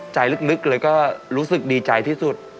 ใจลึกเลยก็รู้สึกดีใจที่สุด